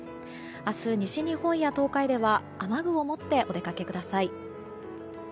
明日、西日本や東海では雨具を持ってお出かけください。